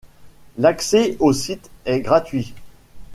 L'accès au site est gratuit.